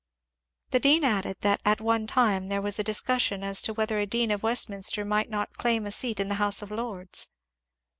The dean added that at one time there was a discussion as to whether a dean of Westminster might not claim a seat in the House of Lords.